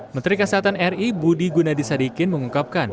menteri kesehatan ri budi gunadisadikin mengungkapkan